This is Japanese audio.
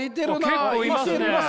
結構いますね。